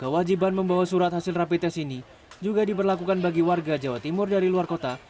kewajiban membawa surat hasil rapi tes ini juga diberlakukan bagi warga jawa timur dari luar kota